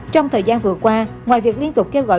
trong thời gian vừa qua ngoài việc liên tục kêu gọi